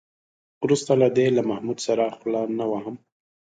وروسته له دې له محمود سره خوله نه وهم.